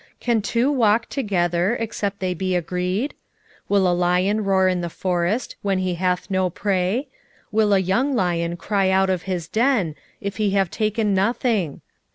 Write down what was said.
3:3 Can two walk together, except they be agreed? 3:4 Will a lion roar in the forest, when he hath no prey? will a young lion cry out of his den, if he have taken nothing?